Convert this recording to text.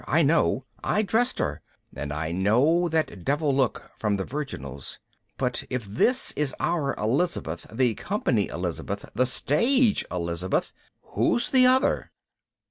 I know. I dressed her. And I know that devil look from the virginals. But if this is our Elizabeth, the company Elizabeth, the stage Elizabeth ... who's the other?